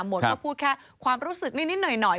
หมดก็พูดแค่ความรู้สึกนิดหน่อย